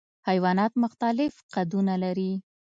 حیوانات مختلف قدونه لري.